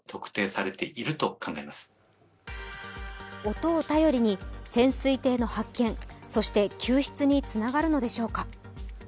音を頼りに潜水艇の発見、そして救出につながるのでしょうか。